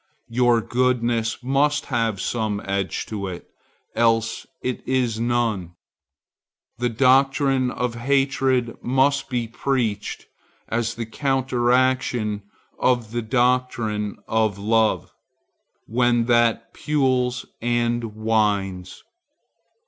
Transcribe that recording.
Your goodness must have some edge to it,—else it is none. The doctrine of hatred must be preached, as the counteraction of the doctrine of love, when that pules and whines.